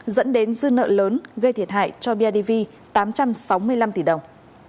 dẫn đến dư nợ lớn gây thiệt hại cho bidv tám trăm sáu mươi năm tỷ đồng